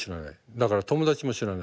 だから友達も知らない。